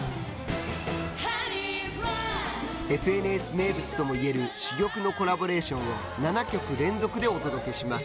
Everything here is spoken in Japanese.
「ＦＮＳ」名物ともいえる珠玉のコラボレーションを７曲連続でお届けします。